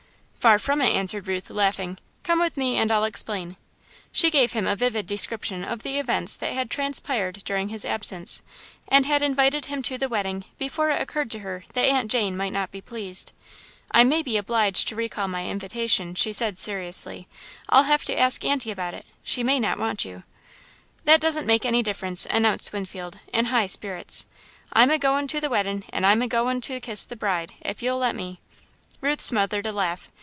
"Far from it," answered Ruth, laughing. "Come with me and I'll explain." She gave him a vivid description of the events that had transpired during his absence, and had invited him to the wedding before it occurred to her that Aunt Jane might not be pleased. "I may be obliged to recall my invitation," she said seriously, "I'll have to ask Aunty about it. She may not want you." "That doesn't make any difference," announced Winfield, in high spirits, "I'm agoin' to the wedding and I'm a goin' to kiss the bride, if you'll let me." Ruth smothered a laugh.